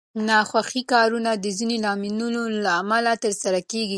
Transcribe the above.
ناخوښ کارونه د ځینو لاملونو له امله ترسره کېږي.